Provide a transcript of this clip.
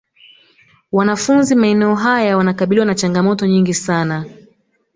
Wanafunzi maeneo haya wanakabiliwa na changamoto nyingi hasa